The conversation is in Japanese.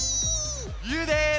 ゆうです！